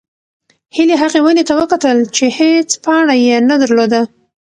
هیلې هغې ونې ته وکتل چې هېڅ پاڼه یې نه درلوده.